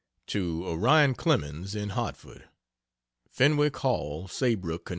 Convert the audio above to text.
To Orion Clemens, in Hartford: FENWICK HALL, SAYBROOK, CONN.